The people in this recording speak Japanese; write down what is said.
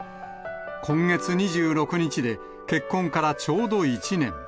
今月２６日で結婚からちょうど１年。